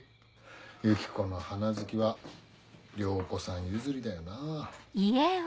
ユキコの花好きは涼子さん譲りだよなぁ。